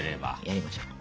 やりましょう。